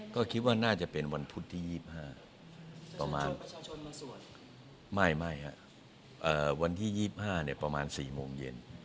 ก็คิดว่าน่าจะเป็นวันพุธที่๒๕ประมาณไม่ครับวันที่๒๕ประมาณ๔โมงเย็น